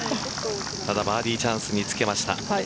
ただバーディーチャンスにつけました。